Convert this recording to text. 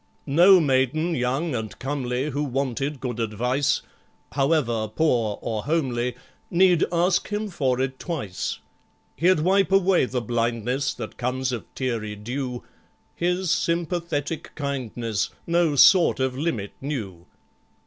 No maiden young and comely Who wanted good advice (However poor or homely) Need ask him for it twice. He'd wipe away the blindness That comes of teary dew; His sympathetic kindness No sort of limit knew.